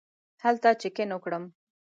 هلته چېک اېن وکړم.